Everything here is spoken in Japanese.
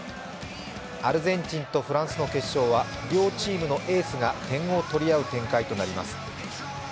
アルゼンチンとフランスの決勝は両チームのエースが点を取り合う展開となります。